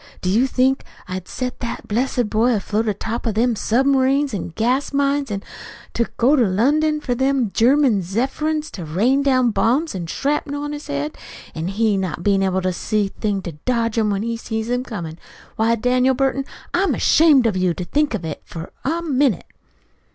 Do you think I'd set that blessed boy afloat on top of them submarines an' gas mines, an' to go to London for them German Zepherin's to rain down bombs an' shrapnel on his head, an' he not bein' able to see a thing to dodge 'em when he sees 'em comin'? Why, Daniel Burton, I'm ashamed of you to think of it, for a minute!"